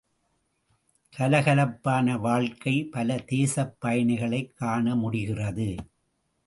கலகலப்பான வாழ்க்கை பல தேசப்பயணிகளைக் காண முடிகிறது.